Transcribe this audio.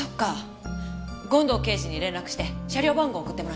権藤刑事に連絡して車両番号を送ってもらいます。